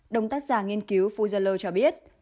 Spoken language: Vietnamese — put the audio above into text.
đồng tác giả nghiên cứu fugler cho biết